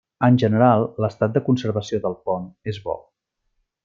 En general l'estat de conservació del pont és bo.